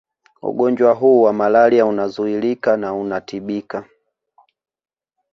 Ugonjwa hu wa malaria unazuilika na unatibika